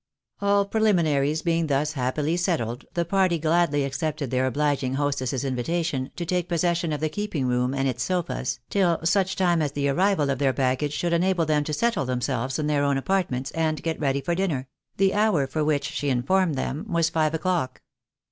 All preliminaries being thus happily settled, the party gladly accepted their obliging hostess's invitation to take possession of the keeping room and its sofas, till such time as the arrival of their baggage should enable them to settle themselves in their own apart ments, and get ready for dinner ; the hour for which, she informed them, was five o'clock.